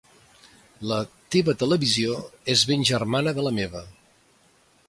La teva televisió és ben germana de la meva.